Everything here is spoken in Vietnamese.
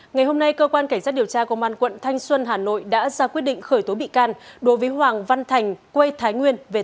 ngày hôm nay cơ quan cảnh sát điều tra công an quận thanh xuân hà nội đã ra quyết định khởi tố bị can đối với hoàng văn thành quê thái nguyên về tội